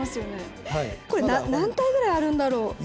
これ何体ぐらいあるんだろう？